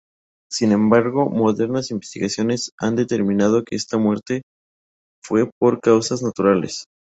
Sin embargo, modernas investigaciones han determinado que esta muerte fue por causas naturales.